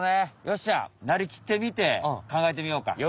よっしゃなりきってみてかんがえてみようか？